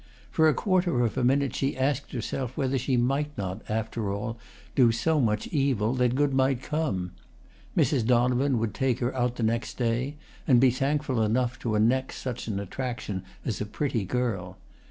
For a quarter of a minute she asked herself whether she might not, after all, do so much evil that good might come. Mrs. Donovan would take her out the next day, and be thankful enough to annex such an attraction as a pretty girl.